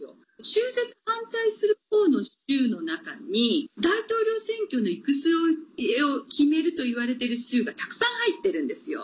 中絶反対するほうの州の中に大統領選挙の行く末を決めるといわれている州がたくさん入っているんですよ。